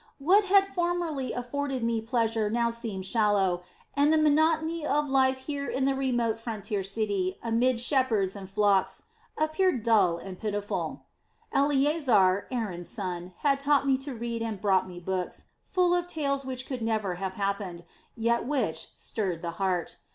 What had formerly afforded me pleasure now seemed shallow, and the monotony of life here in the remote frontier city amid shepherds and flocks, appeared dull and pitiful. "Eleasar, Aaron's son, had taught me to read and brought me books, full of tales which could never have happened, yet which stirred the heart.